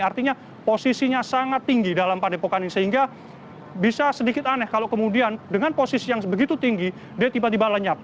artinya posisinya sangat tinggi dalam padepokan ini sehingga bisa sedikit aneh kalau kemudian dengan posisi yang begitu tinggi dia tiba tiba lenyap